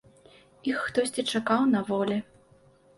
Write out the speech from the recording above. Іх хтосьці чакаў на волі.